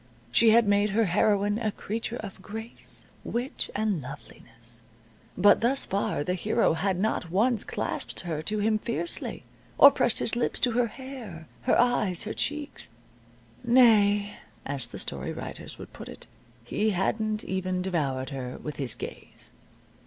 She had made her heroine a creature of grace, wit, and loveliness, but thus far the hero had not once clasped her to him fiercely, or pressed his lips to her hair, her eyes, her cheeks. Nay (as the story writers would put it), he hadn't even devoured her with his gaze.